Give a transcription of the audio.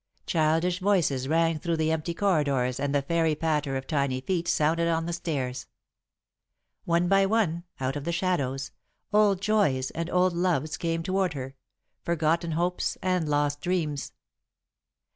Childish voices rang through the empty corridors and the fairy patter of tiny feet sounded on the stairs. One by one, out of the shadows, old joys and old loves came toward her; forgotten hopes and lost dreams.